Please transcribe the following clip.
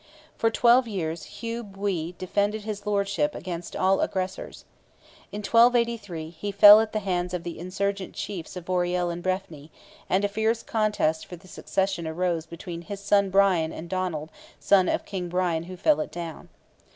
For twelve years, Hugh Bwee defended his lordship against all aggressors. In 1283, he fell at the hands of the insurgent chiefs of Oriel and Breffni, and a fierce contest for the succession arose between his son Brian and Donald, son of King Brian who fell at Down.